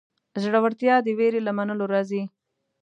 زړورتیا د وېرې له منلو راځي.